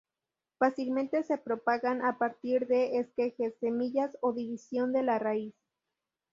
Fácilmente se propagan a partir de esquejes, semillas o división de la raíz.